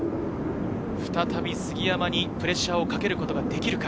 再び杉山にプレッシャーをかけることができるか。